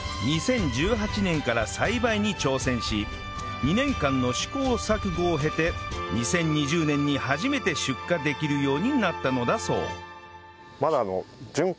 ２０１８年から栽培に挑戦し２年間の試行錯誤を経て２０２０年に初めて出荷できるようになったのだそう